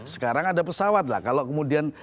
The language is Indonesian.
sekarang ada pesawat lah kalau kemudian